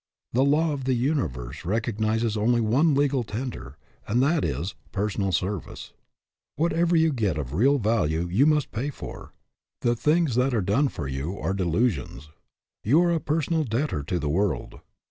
The law of the universe recognizes only one legal tender, and that is, personal service. Whatever you get of real value you must pay for. The things that are done for you are delusions. You are a personal debtor to the world.